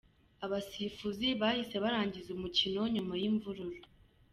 Abasifuzi bahise barangiza umukino nyuma y’imvururu.